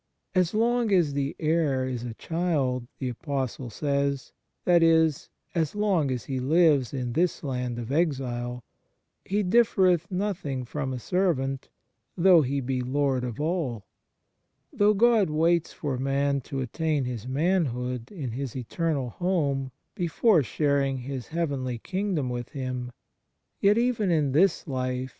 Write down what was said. " As long as the heir is a child," the Apostle says that is, as long as he lives in this land of exile " he differeth nothing from a servant, though he be Lord of all." Though God waits for man to attain his manhood in his eternal home before sharing His heavenly king dom with him, yet even in this life He 1 Luke xii. 22 28. 2 I Pet.